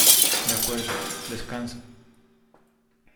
de acuerdo, descansa.